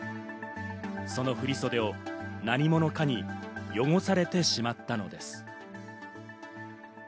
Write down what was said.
その振り袖を何者かに汚されてしまったのです。